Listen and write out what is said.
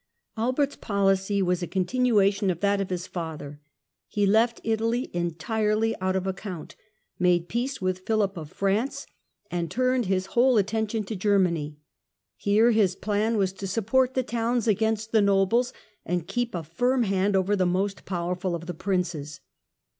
Albert's policy was a continuation of that of his father. poUcy nke He left Italy entirely out of account, made peace with ^'^^*Jjf PhiHp of France, and turned his whole attention to Germany. Here his plan was to support the towns against the nobles, and keep a firm hand over the most powerful of the Princes.